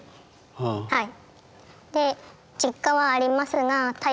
はい。